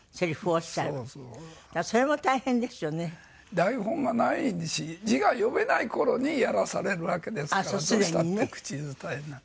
台本がないし字が読めない頃にやらされるわけですからどうしたって口伝えになる。